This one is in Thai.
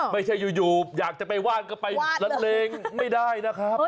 ไม่ใช่อยู่อยากจะไปว่านก็ไปละเลงไม่ได้นะครับ